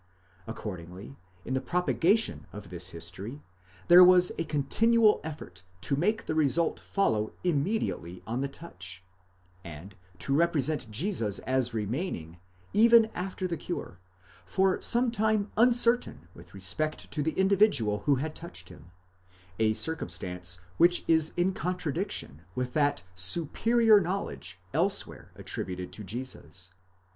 Accordingly, in the propagation of this history, there was a continual effort to make the result follow immediately on the touch, and to represent Jesus as remaining, even after the cure, for some time uncertain with respect to the individual who had touched him, a circumstance which is in contradiction with that superior knowledge elsewhere attributed to Jesus.